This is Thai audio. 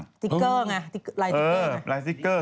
สติ๊กเกอร์ไงไลน์สติ๊กเกอร์